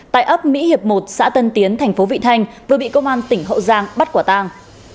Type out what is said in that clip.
tại ấp mỹ hiệp một xã tân tiến tp vị thành vừa bị công an tỉnh hậu giang bắt quả tăng